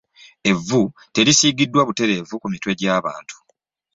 Evvu terisiigiddwa butereevu ku mitwe gy'abantu